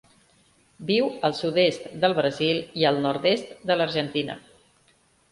Viu al sud-est del Brasil i el nord-est de l'Argentina.